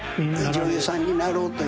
女優さんになろうという。